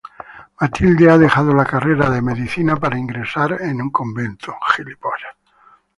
Matilde ha dejado la carrera de medicina para ingresar a un convento.